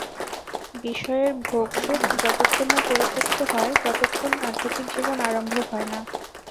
বিষয়ের ভোগসুখ যতক্ষণ না পরিত্যক্ত হয়, ততক্ষণ আধ্যাত্মিক জীবন আরম্ভ হয় না।